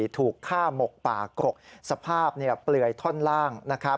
ถูกฆ่าหมกป่ากกสภาพเปลือยท่อนล่าง